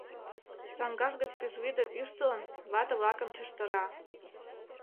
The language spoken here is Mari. Саҥгаж гыч пӱжвӱдым ӱштылын, вате-влакым чыждыра.